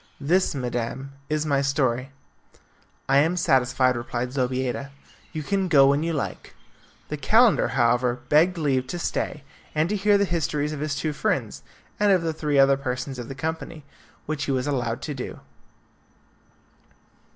This, madam, is my story. "I am satisfied," replied Zobeida; "you can go when you like." The calender, however, begged leave to stay and to hear the histories of his two friends and of the three other persons of the company, which he was allowed to do.